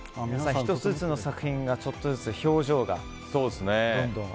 １つずつの作品がちょっとずつ表情がどんどん。